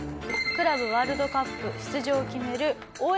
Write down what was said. クラブワールドカップ出場を決める